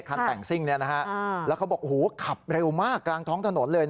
คันแต่งซิ่งแล้วเขาบอกโอ้โหขับเร็วมากกลางท้องถนนเลย